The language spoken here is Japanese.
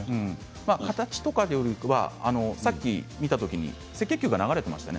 形というよりはさっき見た時に赤血球が流れていましたね。